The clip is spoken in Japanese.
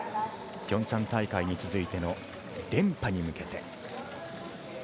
ピョンチャン大会に続いての連覇に向けて。